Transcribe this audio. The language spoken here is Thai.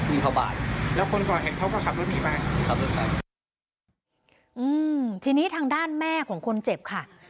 อืมทีนี้ทางด้านแม่ของคนเจ็บค่ะ